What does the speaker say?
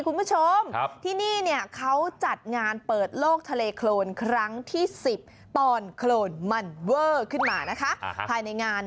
คุณผู้ชมที่นี่เขาจัดงานเปิดโลกทาเลโคลนครั้ง๑๐ตอนโคลนมันเวิร์ดขึ้นมา